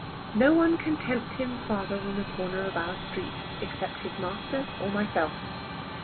No one can tempt him further than the corner of our street, except his master or myself.